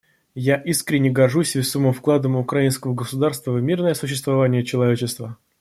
Я искренне горжусь весомым вкладом украинского государства в мирное сосуществование человечества.